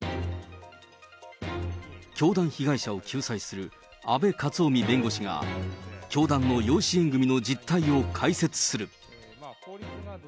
教団被害者を救済する阿部克臣弁護士が、教団の養子縁組の実態を解説する。